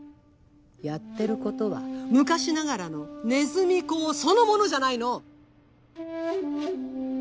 やってることは昔ながらのねずみ講そのものじゃないの！